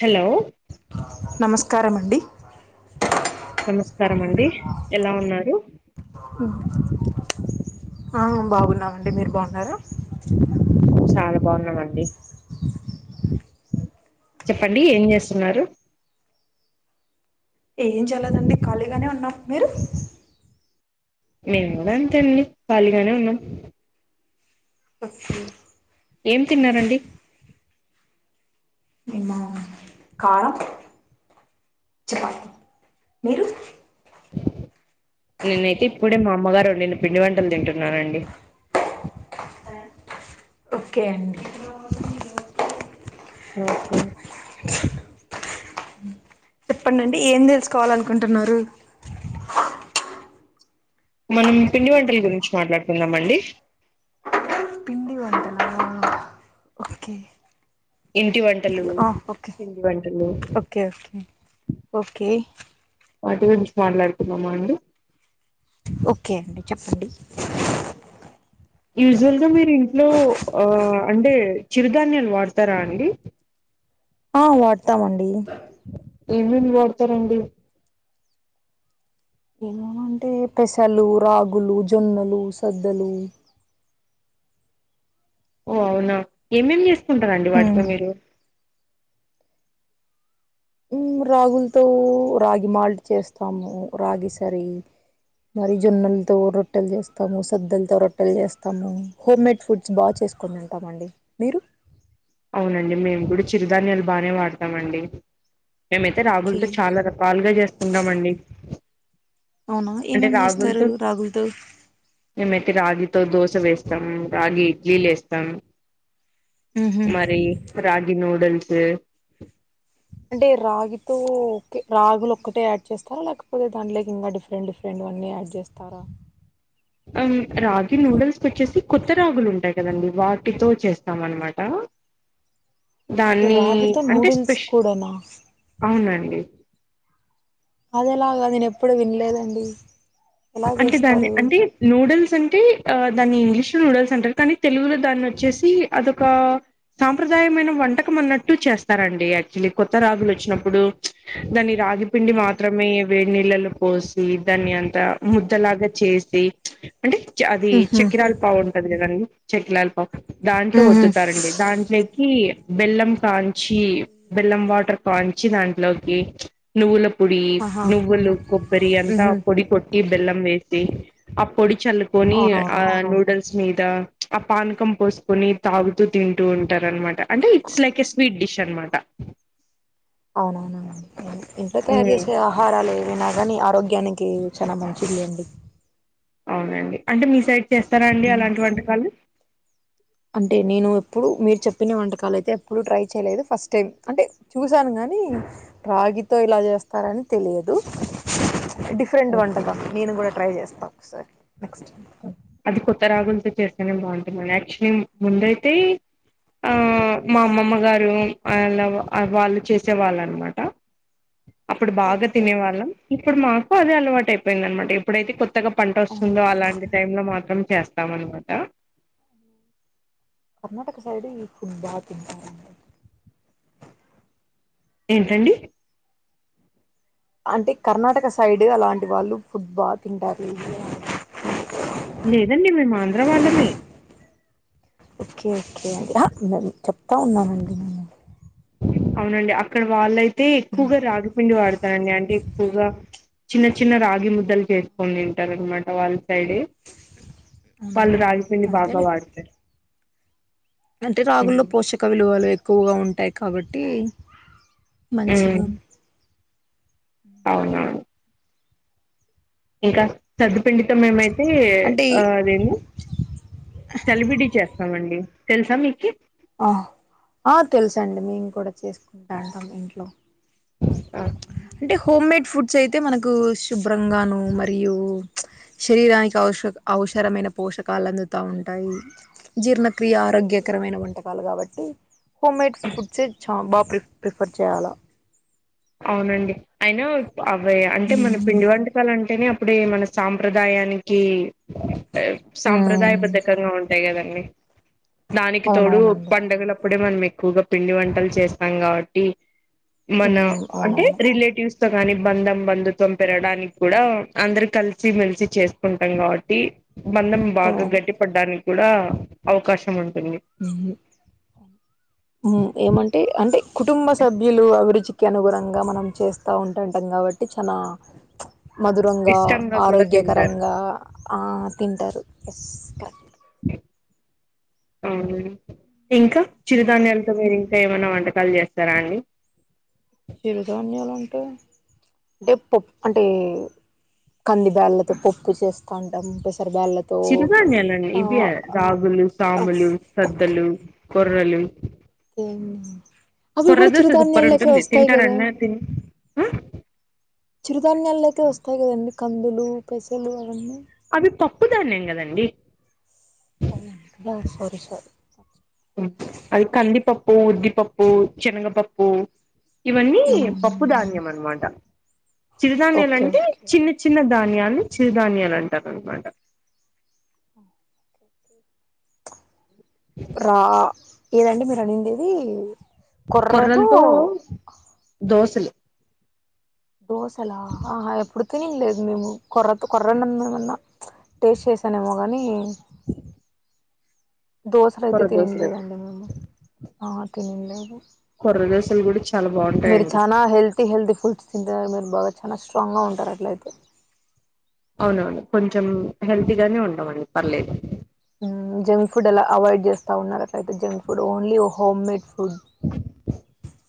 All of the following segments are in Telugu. హలో నమస్కారం అండి నమస్కారం అండి ఎలా ఉన్నారు. ఆ బాగున్నామండి మీరు బాగున్నారు చాలా బాగున్నామండి చెప్పండి ఓకే ఏం చేస్తున్నారు. ఏం చేయలేదండి ఖాళీగానే ఉన్నా మీరు. నేను కూడా అంతే అండి ఖాళీగానే ఉన్నాం ఓకే ఏం తిన్నారండి. నిన్న కారం చపాతి మీరు. నేనైతే ఇప్పుడే మా అమ్మగారండిన పిండి వంటలు తింటున్నానండి. ఓకే అండి. అ ఓకే చెప్పండి ఏం తెలుసుకోవాలని అనుకుంటున్నారు. మనం పిండి వంటల గురించి మాట్లాడుకుందాం అండి. పిండి వంటలా ఓకే ఇంటి వం టలు ఆ ఓకే పిండి వంటలు ఓకే ఓకే ఓకే వాటి గురించి మాట్లాడుకుందమా అండి ఓకే అండి చెప్పండి. యూజువల్ గా మీరు ఇంట్లో ఆ అంటే చిరుధాన్యాలు వాడతారా అండి. ఆ వాడతామండి. ఏమేమి వాడతారండి ఏమేమ్ అంటే పెసలు రాగులు జొన్నలు సద్దలు ఓ అవునా ఎమేమ్ చేస్త కుంటారండి వాటితో మీరు. రాగులతో రాగి మాల్ట్ చేస్తాము రాగి సరి మరి జొన్నలతో రొట్టెలు చేస్తాము సద్దలతో రొట్టెలు చేస్తాము హోమ్మేడ్ ఫుడ్స్ బాగా చేసుకని ఉంటామండి మీరు. అవునండి మేము కూడా చిరుధాన్యాలు బానే వాడతామండి. మేమైతే ఓకే రాగూలతో చాలా రకాలుగా చేసుకుంటామండి. అవునా అంటే ఏమేమ్ చేస్తారు రాగులతో రాగులు తో దోస వేస్తాం రాగి ఇడ్లీలు వేస్తాం ఊహూ మరి రాగి నోడు బ చే అంటే రాగితోే రాగులు ఒక్కటే యాడ్ చేస్తారా లేకపోతే దాంట్లోకి ఇంకా డిఫరెంట్ డిఫరెంట్ అన్నీ యాడ్ చేస్తారా రాగి నూడిల్స్కి వచ్చేసి కొత్త రాగులు ఉంటాయి కదండి వాటితో చేస్తాం అన్నమాట. ఓకే దాన్ని రాగితో అంటే నూడిల్స్ స్పెష కూడానా అవునండి అదేలాగా నేను ఎప్పుడు వినలేదండి ఎలా అంటే దాన్ని చేస్తారు అంటే నూడిల్స్ అంటే దాన్ని ఇంగ్లీష్ నూడల్స్ అంట కానీ తెలుగులో దాన్ని వచ్చేసి అదొ ఒక సాంప్రదాయమైన వంటకం అన్నట్టు చేస్తారండి యాక్చులీ కొత్త రాగులు వచ్చినప్పుడు దాని రాగిపిండి మాత్రమే వేడి నీళ్ళళ్ళో పోసి దాన్ని అంతా ముద్దలాగా చేసి అంటే అది ఊహూ చికిరాలు పావు తడి కదండీ చెట్లాల్ పౌ దాంట్లో ఊహూ ఒత్దుతారండి దాంట్లో కి బెల్లం పాంచి బెల్లం వాటర్ పాంచి దాంట్లోకి నువ్వుల పొడి ఆహా నువ్వులు కొబ్బరి అంతా ఊహూ పొడిపోట్ ఈ బెళ్ళం సి ఆ పొడి చలుకోని ఆ అవునవునవును నూడిల్స్ ని ఆ పానకం పోసుకొని తాగుతూ తింటూ ఉంటారు అనమాట అంటే it's like a sweet dish న్న మాట అవునవునవు ఇంట్లో తయరు చేసే ఆహారాలు ఏమైనా కానీ ఆరోగ్యానికి చాలా మంచిలేండి డి అంటే మీ సైడ్ చేస్తారా అండి అలాంటి వంటకాలు అంటే నేను ఎప్పుడు మీరు చెప్పిన వంటకాలు అయితే ఎప్పుడూ ట్రై చేయలేదు ఫస్ట్ టైం అంటే చూశాను కానీ రాగితో ఇలా చేస్తారని తెలియదు డిఫరెంట్ వంటకం నేను కూడా ట్రై చేస్తా సరే నెక్స్ట్ అది కొత్త రాగులతో చేస్తేనే బాగుంటుండి యాక్చులీ ముందయితే ఆ మా అమ్మమ్మ గారు అలా వాళ్ళు చేసే వాళ్ళు అన్నమాట అప్పుడు ఓకే బాగా ఓకే తినేవాళ్ళం ఇప్పుడు మాకు మాకు అదే అలవాటైపోయిందనమట ఎప్పుడైతే కొత్త త్తగ పంట అవునా వస్తుందో అలాంటి మాత్రం చేస్తాం అన్నమాట కర్ణాటక సైడ్ ఈ ఫుడ్ బా తింటారు ఏంటండి అంటే కర్ణాటక సైడ్ అలాంటి వాళ్ళు ఫుడ్ బా తింటారు లేదండి మేం ఆంధ్ర వాళ్ళమే ఓకే ఓకే అలా చెప్తా ఉన్నామండి అవునండి అక్కడి వాళ్ళై, అయితే ఎక్కువగా రాగిపిండి వాడతారు అండి అంటే ఎక్కువగా, చిన్న చిన్న రాగి ముద్దలు చేసుకొని తింటారు అన్నమాట వాళ్ళు, సైడే వాళ్ళు అవునవునండి రాగి పడి బాగా అంతేలే వాడతారు, అంటే ఉమ్, రాగుల్లో పోషక విలువలు ఎక్కువగా ఉంటాయి, కాబట్టి ఉమ్, మంచిగా, అవునవును ఇకా సదు పిండితం మ ఏమైతే అంటే ఈ- అది ఏంది చలివిడి చేస్తామండి, తెలుసా మీకి, ఆ ఆ తెలుస అండి మేము కూడా చేసుకుంటా అంటాం ఇంట్లో, అంటే హోమ్ మేడ్, ఫుడ్స్ అయితే మనకు శుభ్రంగాను మరియు, శరీరానికి ఔషక అవసరమైన పోషకాలు అందుతూ ఉంటాయి. జీర్ణక్రియ ఆరోగ్యకరమైన ఉంటాయి, పపాలి కాబట్టి హోమ్ మేడ్ ఫుడ్ సే చా బాగా ప్రీ ప్రిపేర్ చేయాలి, అవునండి అయిన, అవే అంటే మన ఉమ్. పిండి వంటకాలు అంటేనే, ఇప్పుడే మన సాంప్రదాయానికి, సాంప్రదాయ ఉమ్, బద్ధకంగా ఉంటాయి కదండీ, ఊ దానికి తోడు అవునవునండి పండుగల, అప్పుడే మనం ఎక్కువగా పిండి వంటలు చేస్తాం కాబట్టి, మన ఉమ్, అంటే అవునవును రిలేటివ్స్ కాని బంధం బంధుత్వం పెరడానికి కూడా అందరు కలిసి మెలిసి చేసుకుంటాం కాబట్టి, బంధం బాగా ఉమ్, గట్టిపడ్డానికి, కూడా అవకాశం ఉ ఊ ఏమంటే అంటే, కుటుంబసభ్యులు అభిరుచికి అనుగుణంగా మనం చేస్తఉంటాంకాబట్టి చానా, మధురంగా ఇష్టంగా కూడా తింటారు. ఆరోగ్యకరంగా ఆ తింటారు, ఎస్ కరెక్ట్ అవునా ఇంకా చిరుధాన్యాలతో మీరు ఇంకా ఏమన్నా వంట, వంటకాలుచేస్తారా అండి, టె అంటే పప్పు అంటే కంది బేళ్ళతో పప్పు చేస్తా ఉంటాం పెసారి, చిరుధాన్యాలు అండి ఇవే రాగులు ఆ, సాములు ఓకే సద్దలు ఓకే కొర్రలు ఏం మ్మ్ కొర్ర దోశ సూపర్ ఉంటుంది తింటారండి అ తిన్ ఆ చిరుధాన్యాల్లోకే వస్తాయి కదండి కందులు పెసల్లు అవన్నీ అవి పప్పుదాన్యం కదండి అవునండి కదా సారీ సారీ అది కందిపప్ ఉ ఉద్దిపప్పు శనగపప్పు ఇవన్నీ పప్పుధాన్యం అన మాట ఓకే చిరుధాన్యాలంటే ఓకే చిన్న చిన్న బ్ ధాన్యాన్ని చిరుధాన్యాలు అంటారు అనమాట రా ఎదండీ మిరడిండిదీ కొర్రలతో దోస సలు దోశలా హ హ ఎప్పుడు తినిందిలేదు మేము కొర్రతో కొర్రనం మేమన్నా టేస్ట్ చేసానేేమో కానీ దోశలు అయితే కొర్ర తినింది దోశలు లేదండి మేము ఆ తిన్లెదు కొర్ర దొశలు కూడ చాలా బాగుంటాయండి చాలా హెల్తీ హెల్తీ ఫుడ్స్ తింటారు మీరు బాగా చాలా స్ట్రాంగ్గా ఉంటారు అట్లయితే అవునవును కొంచెం హెల్తీగానే ఉంటామండి పర్లేదు మ్మ్ జంక్ ఫుడ్ అలా అవాయిడ్ చేస్తా ఉన్నార్ అట్లయితే junk food only home made food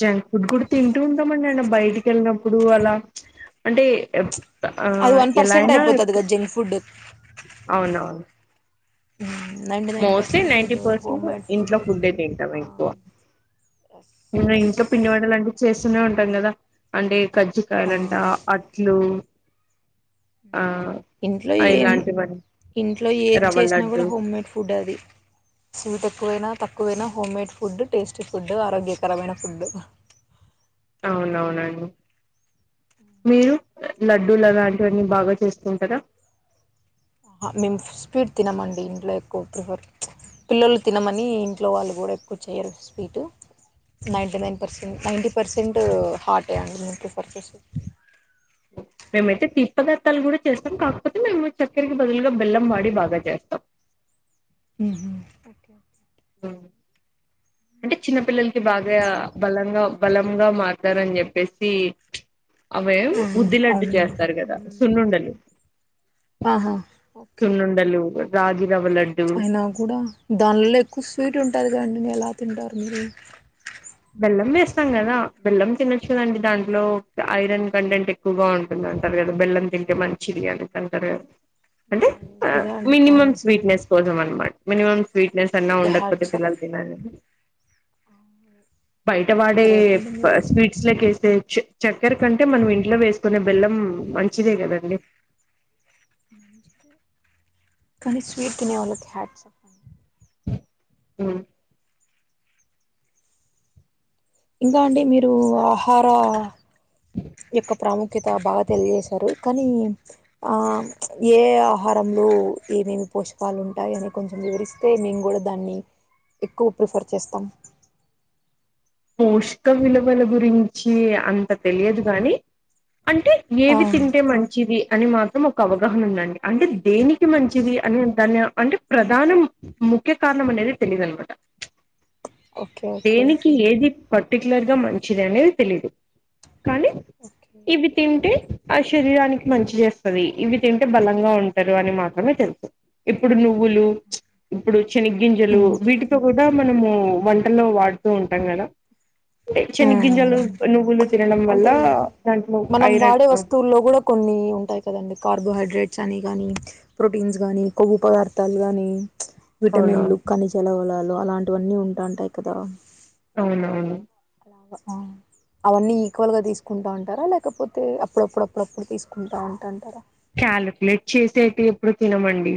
junk food కూడా తిం టుంటాం అండి అలా బైటికెళ్ళినప్పు ప్పుడు అలా అంటే ఎప్ ఆ అది వన్ పర్సెంట్ ఎలాయినా అయిపోతది కదా జంక్ ఫుడ్ అవునవును మ్మ్ మొస్టలీ నైంటీ పర్సెంట్ ఫుడ్ ఇంట్లో ఫుడ్డె తింటాం ఆ ఎస్ ఎక్కువకా ఎస్ ఇంట్లో పిండివంటలంటే చేస్తూనే ఉంటాం కదా అంటే ఆ కజ్జకాయలంట అట్లు ఆ ఇంట్లో ఏం ఇలాంటివన్నీ ఇంట్లో ఏది రవ్వ చేసినా లడ్డు కూడా హోం మేడ్ ఫుడ్ అది స్వీట్ ఎక్కువైనా తక్కువైనా home made food tasty food ఆరోగ్యకరమైన ఫుడ్ అవునవునండి మీరు లడ్డూలులాంటివన్నీ బాగా చేస్తుంటారా మేము స్పీడ్ తినమండి ఇంట్లో ఎక్కువ ప్రిఫర్ పిల్లలు తినమని ఇంట్లో వాళ్ళు కూడా ఎక్కువ చేయరు సేటు ninety nine percent ninety percent హార్టే అండి మేము పర్చేస్ మేమైతే తిప్పదత్తాలు కూడా చేస్తాం కాకపోతే మేము చక్కెరకి బదులుగా బెల్లం వాడి బాగా చేస్తాం ఓకే ఓకే అ అంటే చిన్నపిల్లలకి బాగా బలంగా బలంగా మారతారని చెప్పేసి అవే ఆ, ఉద్దిలడ్డు అవునండి చేస్తారు కదా మ్మ్. సున్నుండలు ఆహా ఓకే రాజీ అయినా కూడా దానిలో ఎక్కువ స్వీట్ ఉంటది కదండి నలా తింటారు మీరు బెల్లం వేస్తాం కదా బెల్లం తినొచ్చు కదండి దాంట్లో ఐరన్ కంటెంట్ ఎక్కువగా ఉంటుంది అంటారు కదా బెల్లం తింటే మంచిది అనిది అంటారు కదా అంటే ఆ మంచిగా అండి కానీ మినిమం స్వీట్నెస్ కోసం అనమాట మినిమం స్వీట్నెస్ అన్నా మీకే ఉండకపోతే హ్యాట్స్ ఆఫ్ పిల్లలు తినరు కదా బయట చాలా వాడే గ్రేట్ అండి మీరు స్వీట్స్ లేక రే చక్కెర కంటే మనం ఇంట్లో వేసుకునే బెల్లం మంచిదే కదండి కానీ స్వీట్ వాళ్ళకి హ్యాండ్సప్ ఉమ్ ఇంకా అండి మీరు ఆహార యొక్క ప్రాముఖ్యత కితా బాగా తెలియజేశారు కానీ ఆ ఏ ఆహారంలో ఏమేమి పోషకాలు ఉంటాయ అని కొంచెం వివరిస్తే మేము కూడా దాన్ని ఎక్కువ ప్రిఫర్ చేస్తాం పోషక విలువల గురించి అంత తెలియదు గాని అంటే ఆ ఏవి తింటే మంచిది అని మాత్రం ఒక అవగాహన ఉందండి అంటే దేనికి మంచిది అనే దాన్ని అంటే ప్రధానం ముఖ్య కారణం అనేది తెలియదన్న మాట ఓకే ఓకే పర్టికలర్ గా మంచిది అనేది తెలీదు కానీ ఓకే ఇవి తింటే అస్ శరీరానికి మంచి చేస్తుంది ఇవి తింటే బలంగా ఉంటారు అని మాత్రమే తెలుసు ఇప్పుడు నువ్వులు ఇప్పుడు శని గింజలు ఉమ్ వీటితో కూడా మనము వంటలో వాడుతూ ఉంటాం కదా శనీ గింజలు నువ్వులు తినడం వల్ల అంటే దాంట్లో మనం ఐరన్ వాడే వస్తువుల్లో హైడ్రేట్స్ అని కానీ ప్రోటీన్స్ కానీ కొవ్వు పదార్థాలు కానీ అవునా విటమిన్లు కానీ చలవలాలి అలాంటివన్నీ ఉంటాంటాయి కదా అవునవును అవన్నీ ఈక్వల్గా తీసుకుంటా ఉంటారా లేకపోతే అప్పుడప్పుడప్పుడప్పుడు తీసుకుంటా ఉంటా అంటార క్యాలిక్యులేట్ చేసైతే ఎప్పుడు తినమండి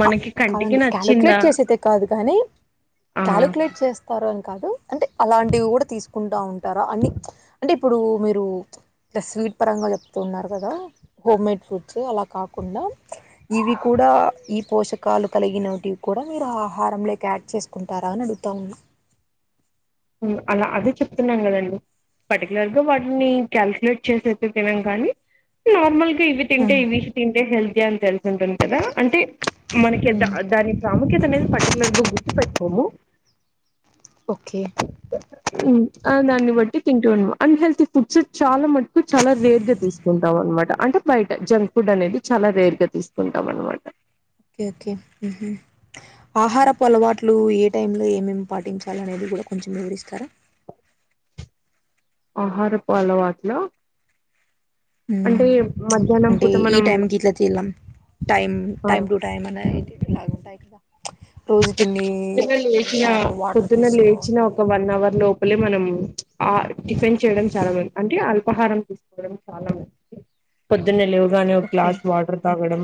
మనకి కంటికి కాదండి నచ్చిందా క్యాలుక్యులేట్ చేసైతే కాదు కానీ ఆ క్యాలుక్యులేట్ చేస్తారు అని కాదు అంటే అలాంటివి కూడా తీసుకుంటా ఉంటారా అన్ని అంటే ఇప్పుడు మీరు స్వీట్ పరంగా చెప్తు ఉన్నారు కదా హోమ్ మేడ్ ఫ్రూడ్స్ అలా కాకుండా ఇవి కూడా ఈ పోషకాలు కలిగినటివి కూడా మీరు ఆహారం లేక యాడ్ చేసుకుంటారా అని అడుగుతా ఉన్నా అలా అదే చెప్తున్నాం కదండి పటి ర్గ వాటిని క్యాలుక్యులేట్ చేసైతే తినం కానీ నార్మల్ ఇవి తింటే ఇవిష్ తింటే హెల్ యంతె ఉంటుంది కదా అంటే మనకి ఉమ్ దాని ప్రాముఖ్యత అనేది పర్టికులర్ గా గుర్తుపెట్ [unintelligible] ఓకే దాన్ని బట్టి తింటూ అన్ హెల్తీ ఫుడ్స్ చాలా మటుకు చాలా రేర్గా తీసుకుంటాం అనమాట అంటే బయట జంక్ ఫుడ్ అనేది చాలా రేర్ గా తీసుకుంటాం అనమాట ఓకే ఓకే ఆహారపు అలవాట్లు ఏ టైంలో ఏమేమి పాటించాలి అనేది కూడా కొంచెం వివరిస్తారా ఆహారపు అలావాట్లా అంటే ఉమ్. మధ్యాహ్నం అంటే పూత ఈ మనం టైంకి ఇట్లా తినాలి టైం ఆ టైమ్ టు టైమ్ అనేది ఇలా ఉంటాయి కదా రోజుకి ఇన్ని పొద్దున ఇన్ని లేచినా సార్లు వాటర్ పొద్దున్న తీసుకోవాలి లేచినా ఒక వన్ అవర్ లోపలే మనం ఆ టిఫెన్ చేయడం చాలా మంది అంటే అల్పాహారం తీసుకోవడం చాలా మంది పొద్దున్నే గానే ఒక ఓకే గ్లాస్ వాటర్ తాగడం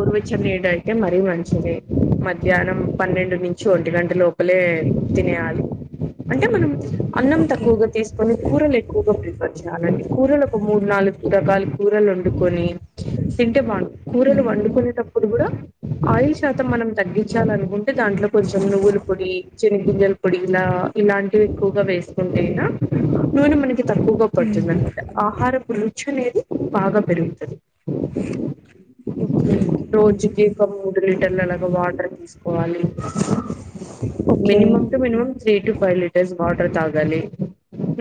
ఓకే [unintelligible] అయితే మరీ మంచిది మధ్యాహ్నం పన్నెండు నుంచి ఒంటి గంటలో లే తినేయాలి అంటే మనం అన్నం ఓకే ఓకే తక్కువగా తీసుకుని కూరలు ఎక్కువగా ప్రిపేర్ చేయాలండి కూరలు ఒక మూడు నాలుగు రకాలు కూరలు వండుకొని తింటే బాగుం కూరలు ఉమ్ వండుకునే టప్పుడు కూడా ఆయిల్స్ శాతం మనం తగ్గించాలనుకున్ దాంట్లో కొంచం నువ్వులు పొడి చి మిర్యాల పొడి ఇలా ఇలాంటివి ఎక్కువగా వేసుకుంటేయినా నూనె మన తక్కువగా ఉమ్ పడుతుందనమాట ఆహారం రుచి అనేది బాగా పెరుగుతుంది. ఓకే ఓకే అండి రోజుకి ఒక మూడు లీటర్ లగా వాటర్ తీసుకోవాలి. Okay minimum two minimum three to five litres. Water తాగాలి.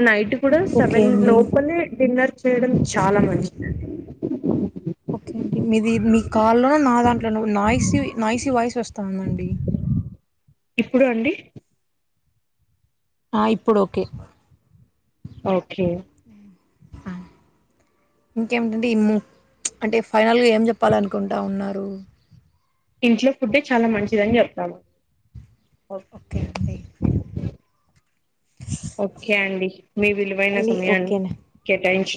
నైట్ ఇప్పుడు ఓకే సెవెన్ అండి లోపలే డిన్నర్ చేయడం చాలా మంచిదండి. ఓకే అండి. మీది మీ కాల్లో నా దాంట్లోనో నాయిసి నాయిస్ వాయిస్ వస్తాందండి. ఇప్పుడు అండి. ఆ ఇప్పుడు ఓకే. ఓకే. ఇంకేమిటంటే ఇ ము ప్చ్ అంటే ఫైనల్గా ఏం చెప్పాలనుకుంటా ఉన్నారు. ఇంట్లో ఫుడ్డే చాలా మంచిదని చెప్తామండి. ఓకే అండి. ఓకే అండి. మీ విలువైన అండి సమయాన్ని ఓకేనా కేటాయించ్